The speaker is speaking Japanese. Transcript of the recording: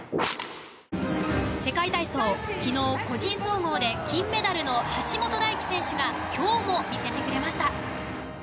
世界体操昨日、個人総合で金メダルの橋本大輝選手が今日も見せてくれました。